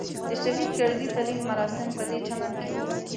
د شهید کرزي تلین مراسم پدې چمن کې وو.